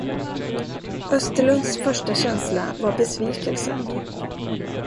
Österlunds första känsla var besvikelse.